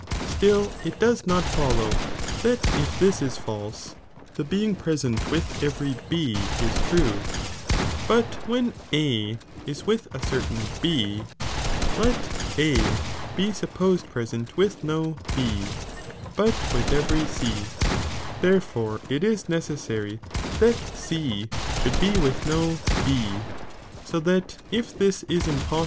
Still it does not follow, that if this id falsej the being present with every B is true, but when A is with a certain B, let A be aupposed present with no B, but with every C, therefore it is neeessary that C should be with no B, so that if this is iiDpo3!